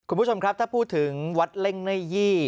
คุณผู้ชมครับถ้าพูดถึงวัดเล่งเนยี่